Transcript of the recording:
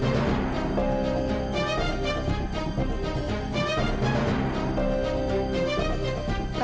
lagi telepon siapa gue kayaknya kawan